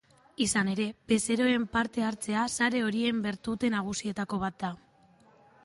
Izan ere, bezeroaren parte hartzea sare horien bertute nagusietako bat da.